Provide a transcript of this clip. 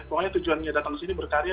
pokoknya tujuannya datang ke sini berkarya